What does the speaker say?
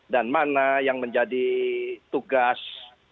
dan mana yang menjadi tugas